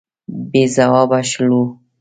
بې ځوابه شولو.